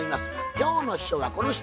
今日の秘書はこの人。